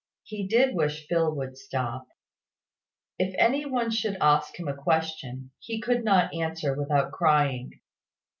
He did wish Phil would stop. If anybody should ask him a question, he could not answer without crying.